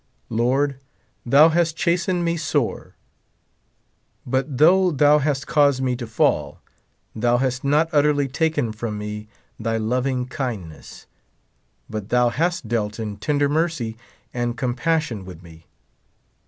Lord, thou hast chastened me sore ; but though thou hast caused me to fall, thou hast not utterly taken from me thy loving kindness : but thou hast dealt in tender mercy and compassion with me.